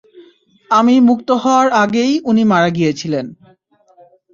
আমি মুক্ত হওয়ার আগেই উনি মারা গিয়েছিলেন।